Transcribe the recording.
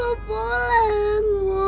bapak bukain pak